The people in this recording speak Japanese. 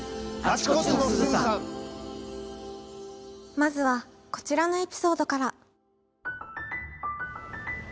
まずはこちらのエピソードから。